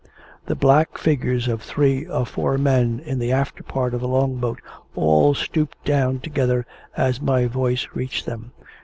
The black figures of three or four men in the after part of the Long boat all stooped down together as my voice reached them.